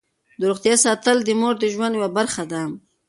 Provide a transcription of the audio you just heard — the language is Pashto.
د روغتیا ساتل د مور د ژوند یوه برخه ده.